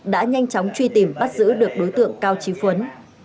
đã nhanh chóng truy tìm bắt giữ được đối tượng cao trí phấn